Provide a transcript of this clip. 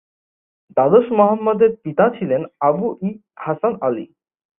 দ্বাদশ মোহাম্মদের পিতা ছিলেন আবু-ই-হাসান আলী।